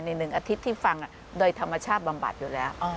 หนึ่งอาทิตย์ที่ฟังโดยธรรมชาติบำบัดอยู่แล้ว